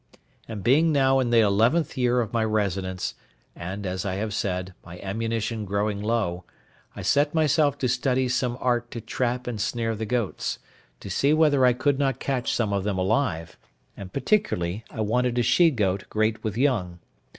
But being now in the eleventh year of my residence, and, as I have said, my ammunition growing low, I set myself to study some art to trap and snare the goats, to see whether I could not catch some of them alive; and particularly I wanted a she goat great with young.